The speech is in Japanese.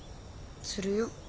するよ。